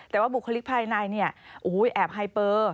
แต่ว่าบุคลิกภัยในนายเนี่ยแอบไฮเเปอร์